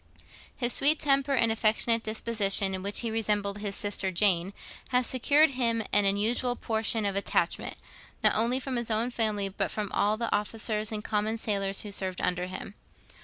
His sweet temper and affectionate disposition, in which he resembled his sister Jane, had secured to him an unusual portion of attachment, not only from his own family, but from all the officers and common sailors who served under him.